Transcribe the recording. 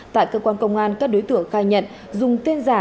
tại cơ quan công an các đối tượng khai nhận dùng tên giả